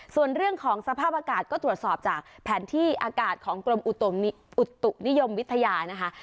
ส่วนเรื่องของสภาพอากาศก็ตรวจสอบจากแผนที่อากาศของกรมอุตุนิยมวิทยานะคะ